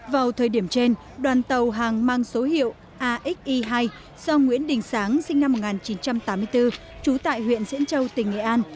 vào thời điểm trên đoàn tàu hàng mang số hiệu axi hai do nguyễn đình sáng sinh năm một nghìn chín trăm tám mươi bốn trú tại huyện diễn châu tỉnh nghệ an